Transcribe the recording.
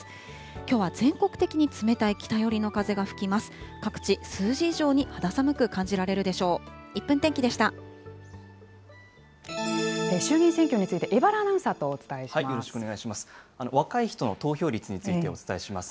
きょうは全国的に冷たい北寄りの風が吹きます。